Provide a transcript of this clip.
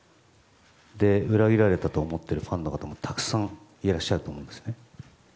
裏切られたと思っているファンの方もたくさんいらっしゃると思います。